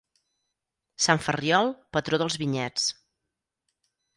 Sant Ferriol, patró dels vinyets.